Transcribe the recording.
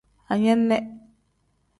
Anene.